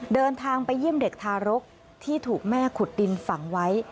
เดินทางไปเยี่ยมเด็กทารกที่ถูกแม่ขุดดินฝังไว้